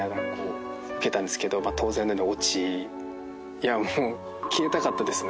いやもう消えたかったですね。